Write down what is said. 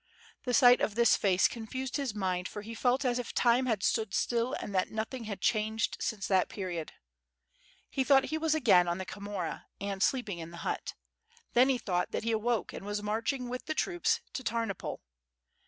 The sight of this face confused his mind for he felt as if time had stood still and that nothing had changed since that period. He thought he was again on the Khomora and sleeping in the hut, then he thought that he awoke and was marching with the troops to Tarnopol